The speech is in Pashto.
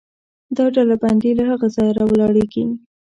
دا ډلبندي له هغه ځایه راولاړېږي.